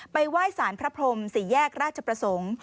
ไหว้สารพระพรมสี่แยกราชประสงค์